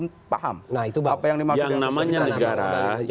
nah itu apa yang dimaksud dengan social distancing